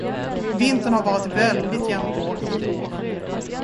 Vintern har varit väldigt jämngrå i år.